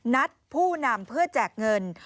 ผู้นำเพื่อแจกเงิน